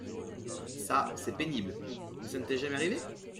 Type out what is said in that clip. Ca, c’est pénible… mais ça ne t’est jamais arrivé ?